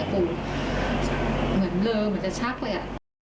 แล้วกูเหมือนเลิกเหมือนจะชักเลย